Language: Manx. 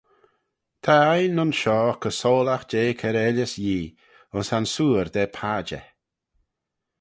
Ta ain ayns shoh co-soylagh jeh kiarailys Yee, ayns ansoor da padjer.